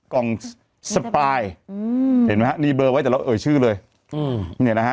กล่องสปายอืมเห็นไหมฮะนี่เบอร์ไว้แต่เราเอ่ยชื่อเลยอืมเนี่ยนะฮะ